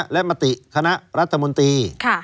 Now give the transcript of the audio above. และมติคณะรัฐมนตรี